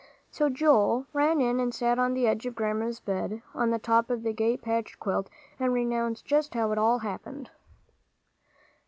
So Joel ran in and sat on the edge of Grandma's bed, on top of the gay patched quilt, and recounted just how it all happened.